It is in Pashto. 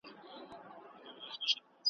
خو هر ګوره یو د بل په ځان بلا وه .